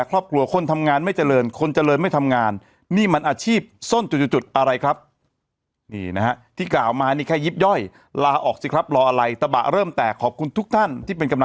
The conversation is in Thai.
ระวังใหม่ให้สวยงามก่อนเนาะ